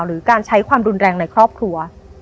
หรือการใช้ความรุนแรงในครอบครัว